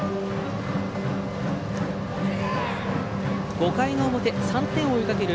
５回の表、３点を追いかける